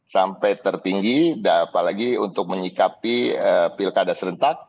sampai tertinggi apalagi untuk menyikapi pilkada serentak